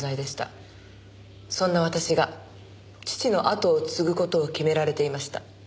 そんな私が父のあとを継ぐ事を決められていました。